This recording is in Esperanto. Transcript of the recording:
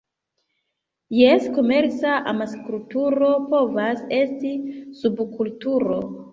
Jes, komerca amaskulturo povas esti subkulturo.